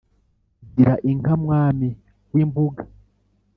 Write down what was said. gira inka mwami w' imbuga